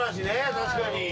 確かに。